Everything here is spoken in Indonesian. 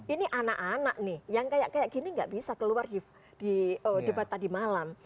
ini anak anak nih yang kayak kayak gini nggak bisa keluar di debat tadi malam